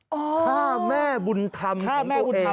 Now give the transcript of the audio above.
ฆ่าแม่บุญธรรมของตัวเอง